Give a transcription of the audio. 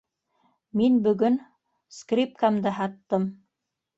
Мин бөгөн... скрипкамды һаттым.